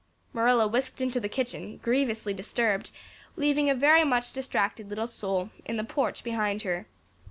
Marilla whisked into the kitchen, grievously disturbed, leaving a very much distracted little soul in the porch behind her.